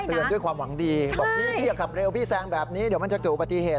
ด้วยความหวังดีบอกพี่พี่อย่าขับเร็วพี่แซงแบบนี้เดี๋ยวมันจะเกิดอุบัติเหตุ